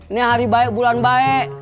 ini hari baik bulan baik